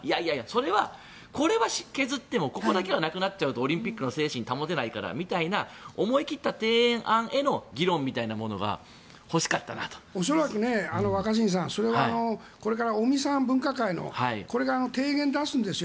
いやいや、これは削ってもここだけはなくなるとオリンピックの精神が保てないからみたいな思い切った提案への議論みたいなものが恐らく、それはこれから分科会の尾身さんが提言を出すんですよ。